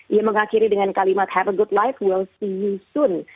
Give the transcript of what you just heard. ia mengakhiri dengan kalimat have a good life we'll see you soon